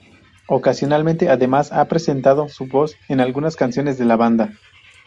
Ocasionalmente además, ha prestado su voz en algunas canciones de la banda.